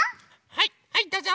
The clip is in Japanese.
はいはいどうぞ。